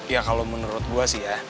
ya kalau menurut gue sih ya